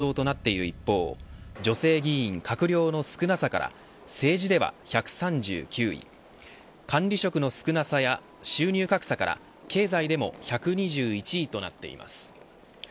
日本は教育・健康ではほぼ男女平等となっている一方女性議員、閣僚の少なさから政治では１３９位管理職の少なさや収入格差から経済でも１２１位となっています。